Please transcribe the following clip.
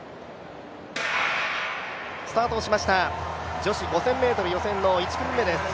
スタートをしました、女子５０００ｍの予選の１組目です。